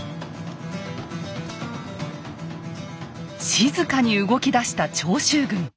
静かに動きだした長州軍。